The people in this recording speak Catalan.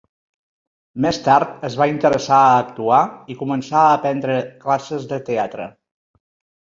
Més tard es va interessar a actuar i començà a prendre classes de teatre.